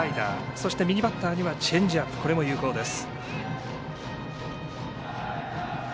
そして右バッターにはチェンジアップ、これも有効です。